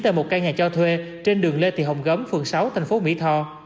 tại một căn nhà cho thuê trên đường lê thị hồng gấm phường sáu thành phố mỹ tho